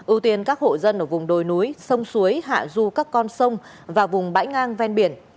ưu tiên các hộ dân ở vùng đồi núi sông suối hạ du các con sông và vùng bãi ngang ven biển